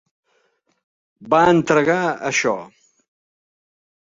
Va entregar això.